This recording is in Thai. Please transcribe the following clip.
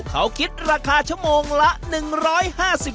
เขาคิดราคาชั่วโมงละ๑๕๐บาท